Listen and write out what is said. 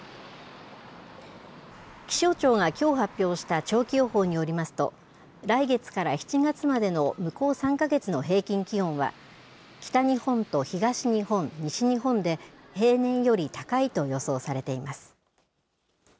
気象庁がきょう発表した長期予報によりますと、来月から７月までの向こう３か月の平均気温は、北日本と東日本、西日本で平年より高いと予想されています。